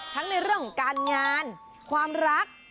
ทั้งในเรื่องของการงานความรัก